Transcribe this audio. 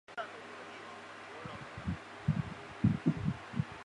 她应该安静地接受被强奸。